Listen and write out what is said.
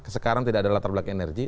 sekarang tidak ada latar belakang energi